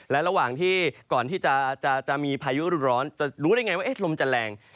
และระหว่างที่ก่อนที่จะมีพายุร้อนจะรู้ได้ไงว่าลมจะแรง